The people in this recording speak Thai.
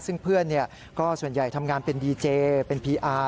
ซึ่งเพื่อนก็ส่วนใหญ่ทำงานเป็นดีเจเป็นพีอาร์